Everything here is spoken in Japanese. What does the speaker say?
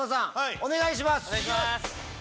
お願いします！